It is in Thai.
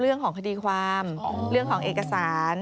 เรื่องของคดีความเรื่องของเอกสาร